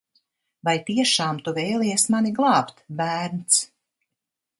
Vai tiešām tu vēlies mani glābt, bērns?